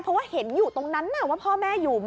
เพราะว่าเห็นอยู่ตรงนั้นว่าพ่อแม่อยู่